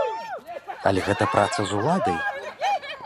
Але гэта праца з уладай.